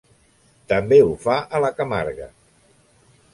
També ho fa a la Camarga.